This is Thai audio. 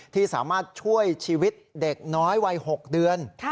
ที่สามารถช่วยชีวิตเด็กน้อยวัย๖เดือน